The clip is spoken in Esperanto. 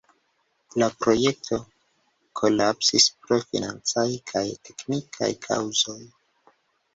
La projekto kolapsis pro financaj kaj teknikaj kaŭzoj.